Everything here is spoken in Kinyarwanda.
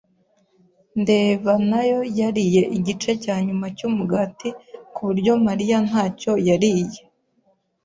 ndeba nayo yariye igice cyanyuma cyumugati kuburyo Mariya ntacyo yariye.